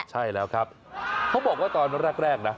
ใช่แล้วครับเขาบอกว่าตอนแรกนะ